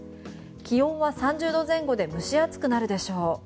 気温は３０度前後で蒸し暑くなるでしょう。